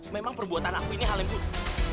memang perbuatan aku ini hal yang buruk